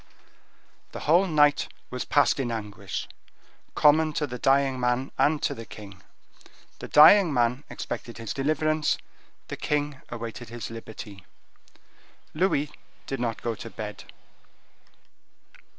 The whole night was passed in anguish, common to the dying man and to the king: the dying man expected his deliverance, the king awaited his liberty. Louis did not go to bed.